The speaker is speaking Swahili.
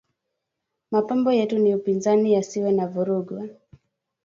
Mapambano yetu ni upinzani yasiwe na vuruga